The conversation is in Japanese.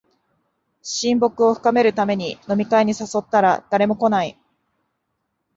親睦を深めるために飲み会に誘ったら誰も来ない